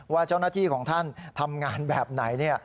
ว่าเจ้าหน้าที่ของท่านทำงานแบบไหน